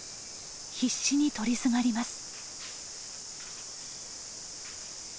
必死に取りすがります。